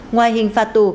ngoài hình phạt tù